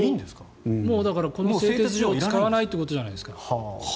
だから、この製鉄所を使わないってことじゃないですか。